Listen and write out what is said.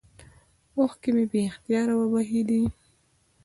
اوښكې مې بې اختياره وبهېدې.